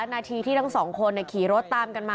นาทีที่ทั้งสองคนขี่รถตามกันมา